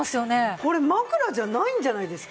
これ枕じゃないんじゃないですか？